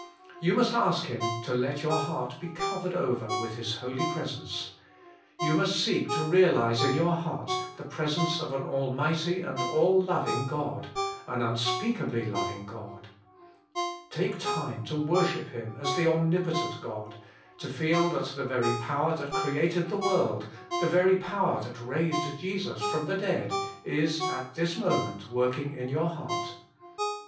You must ask Him to let your heart be covered over with his holy presence. You must seek to realize in your heart the pres ence of an Almighty and all loving God, an unspeakably loving God. Take time to worship Him as the om nipotent God, to feel that the very power that created the world, the very power that raised Jesus from the dead, is at this moment working in your heart.